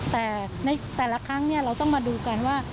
แต่ในแต่ละครั้งเราต้องมาดูกันว่า